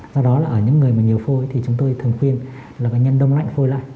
do đó là ở những người mà nhiều phôi thì chúng tôi thường khuyên là bệnh nhân đông lạnh phôi lạnh